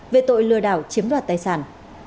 về tội lừa đảo chiếm đoạt tài sản